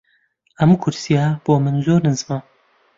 ئەم کورسییە بۆ من زۆر نزمە.